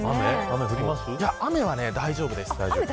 雨は大丈夫です。